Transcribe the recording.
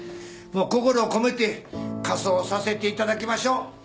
心を込めて火葬させていただきましょう。